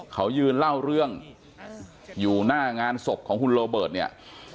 เขายืนเล่าเรื่องอยู่หน้างานศพของคุณโรเบิร์ตเนี่ย